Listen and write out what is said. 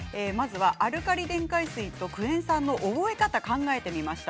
アルカリ電解水とクエン酸の覚え方を考えてみました。